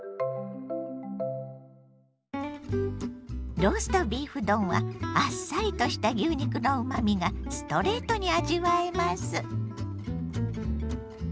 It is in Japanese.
ローストビーフ丼はあっさりとした牛肉のうまみがストレートに味わえます。